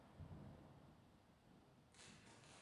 benki kuu inatakiwi kuwa na hifadhi ya sarafu ya dola